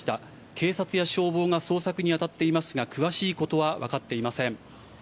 警察や消防が捜索に当たっていますが、詳しいことは分かっていません。